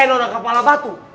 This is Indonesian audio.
eh nona kapalabatu